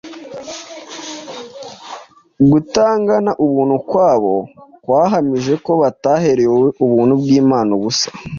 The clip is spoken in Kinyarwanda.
Gutangana ubuntu kwabo kwahamije ko bataherewe ubuntu bw’Imana ubusa.